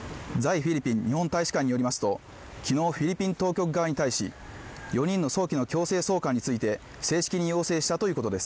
フィリピン日本大使館によりますときのうフィリピン当局側に対し４人の早期の強制送還について正式に要請したということです